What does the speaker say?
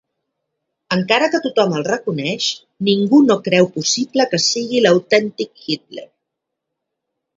Encara que tothom el reconeix, ningú no creu possible que sigui l'autèntic Hitler.